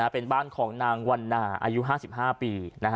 เป็นบ้านของนางวันนาอายุ๕๕ปี